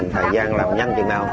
thời gian làm nhanh chừng nào